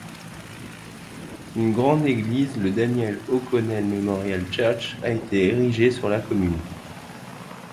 Une grande église le Daniel O'Connell Mémorial Church a été érigé sur la commune.